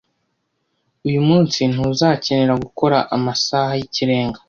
Uyu munsi, ntuzakenera gukora amasaha y'ikirenga.